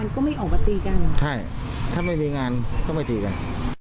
ก็ไม่ออกมาตีกันใช่ถ้าไม่มีงานก็ไม่ตีกัน